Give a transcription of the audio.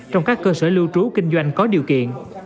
trong các cơ sở lưu trú kinh doanh có điều kiện